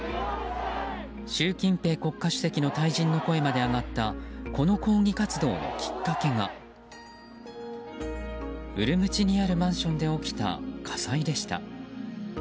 習近平国家主席の退陣の声まで上がったこの抗議活動のきっかけがウルムチにあるマンションで起きた火災でした。